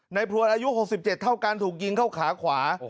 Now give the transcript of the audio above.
นายพลวนอายุหกสิบเจ็บเท่ากันถูกยิงเข้าขาขวา